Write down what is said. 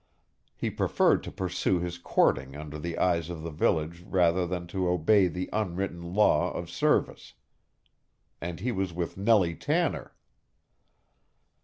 He preferred to pursue his courting under the eyes of the village rather than to obey the unwritten law of service. And he was with Nellie Tanner!